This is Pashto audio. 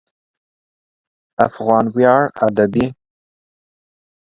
افغان ویاړ ادبي